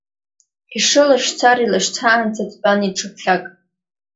Ишылашьцара илашьцаанӡа дтәан иҽыԥхьак.